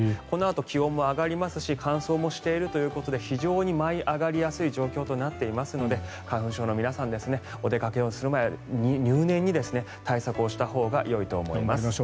このあと気温も上がりますし乾燥もしているということで非常に舞い上がりやすい状況となっていますので花粉症の皆さんお出かけをする前に入念に対策をしたほうがよいと思います。